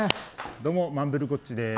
どうも、マンブルゴッチです。